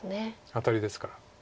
アタリですから。